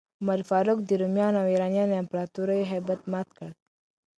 عمر فاروق د رومیانو او ایرانیانو د امپراتوریو هیبت مات کړ.